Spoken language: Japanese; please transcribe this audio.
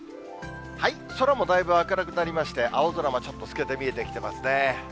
空もだいぶ明るくなりまして、青空もちゃんと透けて見えてきてますね。